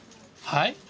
はい？